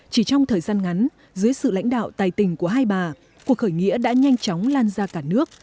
chỉ trong thời gian ngắn dưới sự lãnh đạo tài tình của hai bà cuộc khởi nghĩa đã nhanh chóng lan ra cả nước